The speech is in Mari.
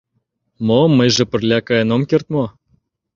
Мо, мыйже пырля каен ом керт мо?